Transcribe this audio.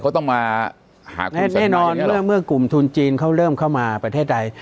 เขาต้องมาหักแน่นอนเมื่อกลุ่มทุนจีนเขาเริ่มเข้ามาประเทศไทย